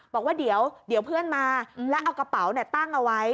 บอกว่าเดี๋ยวเพื่อนมาแล้วเอากระเป๋าตั้งเอาไว้